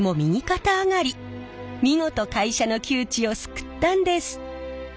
見事会社の窮地を救ったんです。